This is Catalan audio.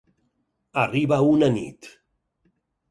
Arriba una nit.